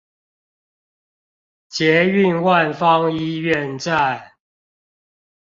捷運萬芳醫院站